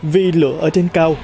vì lửa ở trên cao